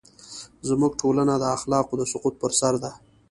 زموږ ټولنه د اخلاقو د سقوط پر سر ده.